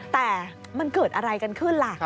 แต่มันเกิดอะไรกันขึ้นล่ะ